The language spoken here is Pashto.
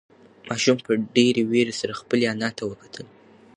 ماشوم په ډېرې وېرې سره خپلې انا ته وکتل.